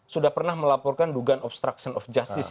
sudah pernah melaporkan dugaan obstruction of justice